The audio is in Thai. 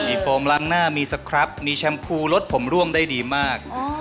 มีโฟมล้างหน้ามีสครับมีแชมพูรสผมร่วงได้ดีมาก